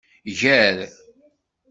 Ger.